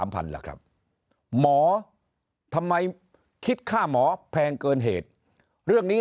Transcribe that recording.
พันล่ะครับหมอทำไมคิดค่าหมอแพงเกินเหตุเรื่องนี้